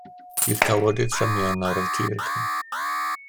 Bydd cawodydd trymion ar y tir uchel.